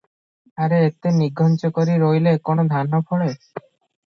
ଆରେ, ଏତେ ନିଘଞ୍ଚ କରି ରୋଇଲେ କଣ ଧାନ ଫଳେ?